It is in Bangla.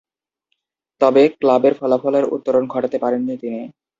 তবে, ক্লাবের ফলাফলের উত্তরণ ঘটাতে পারেননি তিনি।